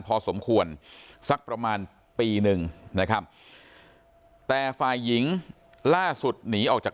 พอสมควรสักประมาณปีหนึ่งนะครับแต่ฝ่ายหญิงล่าสุดหนีออกจาก